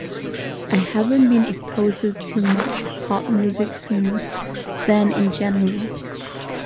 I haven't been exposed to much pop music since then in general.